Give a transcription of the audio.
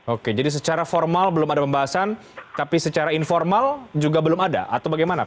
oke jadi secara formal belum ada pembahasan tapi secara informal juga belum ada atau bagaimana